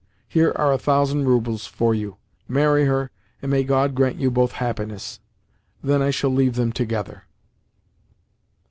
Here are a thousand roubles for you. Marry her, and may God grant you both happiness!' Then I shall leave them together."